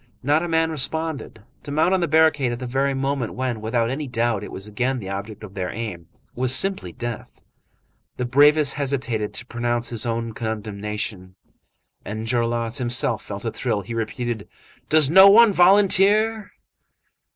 Not a man responded. To mount on the barricade at the very moment when, without any doubt, it was again the object of their aim, was simply death. The bravest hesitated to pronounce his own condemnation. Enjolras himself felt a thrill. He repeated:— "Does no one volunteer?"